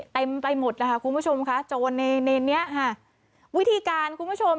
ไปหมดนะคะคุณผู้ชมค่ะโจรในในนี้ค่ะวิธีการคุณผู้ชม